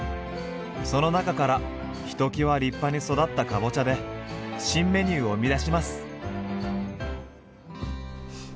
その中からひときわ立派に育ったかぼちゃで新メニューを生み出します。